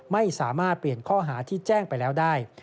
ไม่สามารถเปลี่ยนข้อหาที่แจ้งไปแล้วได้